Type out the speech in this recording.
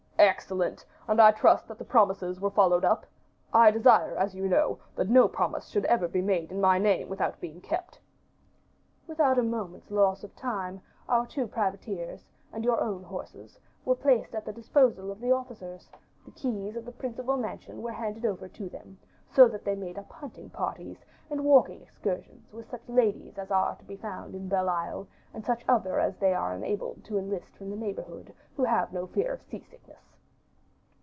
"Excellent! and I trust that the promises were followed up; I desire, as you know, that no promise should ever be made in my name without being kept." "Without a moment's loss of time, our two privateers, and your own horses, were placed at the disposal of the officers; the keys of the principal mansion were handed over to them, so that they made up hunting parties, and walking excursions with such ladies as are to be found in Belle Isle; and such other as they are enabled to enlist from the neighborhood, who have no fear of sea sickness."